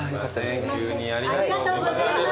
ありがとうございます。